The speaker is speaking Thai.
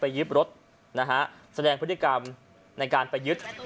ไปยึดรถแสดงพฤติกรรมในการไปยึด